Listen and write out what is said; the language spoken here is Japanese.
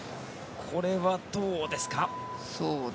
これはどうですか？